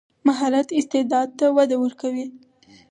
مهارت استعداد ته وده ورکوي.